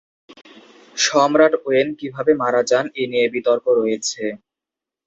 সম্রাট ওয়েন কিভাবে মারা যান এ নিয়ে বিতর্ক রয়েছে।